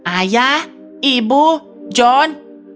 ayah ibu john